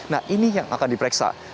nah ini yang akan diperiksa